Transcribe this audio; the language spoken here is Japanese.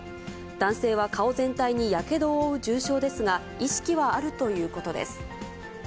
男性は顔全体にやけどを負う重傷ですが、意識はあるということです。